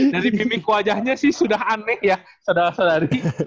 dari mimik wajahnya sih sudah aneh ya sadar sadari